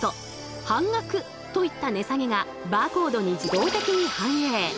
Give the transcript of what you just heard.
半額といった値下げがバーコードに自動的に反映。